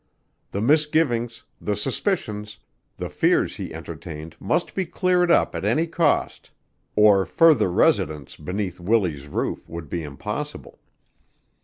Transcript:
The misgivings, the suspicions, the fears he entertained must be cleared up at any cost or further residence beneath Willie's roof would be impossible.